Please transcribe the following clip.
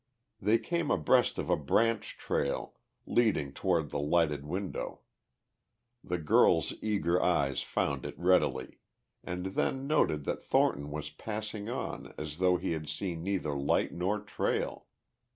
They came abreast of a branch trail, leading toward the lighted window; the girl's eager eyes found it readily, and then noted that Thornton was passing on as though he had seen neither light nor trail.